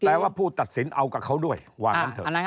ว่าผู้ตัดสินเอากับเขาด้วยว่างั้นเถอะ